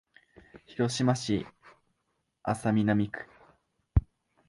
広島市安佐南区